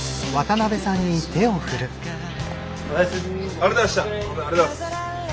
ありがとうございます。